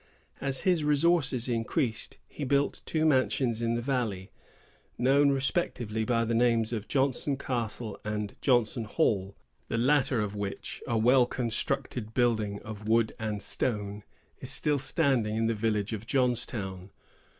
As his resources increased, he built two mansions in the valley, known respectively by the names of Johnson Castle and Johnson Hall, the latter of which, a well constructed building of wood and stone, is still standing in the village of Johnstown.